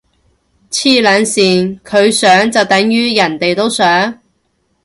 黐撚線，佢想就等如人哋都想？